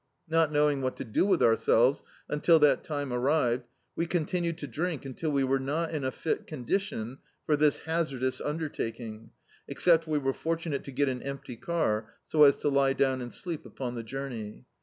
Not know ing what to do with ourselves undl that time arrived, we continued to drink until we were not in a fit condition for this hazardous undertaking — except we were fortunate to get an empty car, so as to lie down and sleep upon the journey.